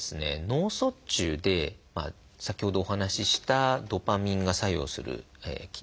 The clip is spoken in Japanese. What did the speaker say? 脳卒中で先ほどお話ししたドパミンが作用する線条体ですね